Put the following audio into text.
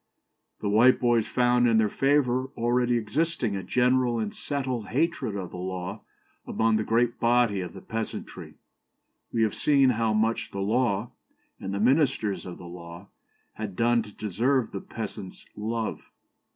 The Whiteboys 'found in their favour already existing a general and settled hatred of the law among the great body of the peasantry.' We have seen how much the law, and the ministers of the law, had done to deserve the peasant's love.